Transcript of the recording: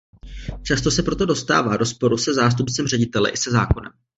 Často se proto dostává do sporu se zástupcem ředitele i se zákonem.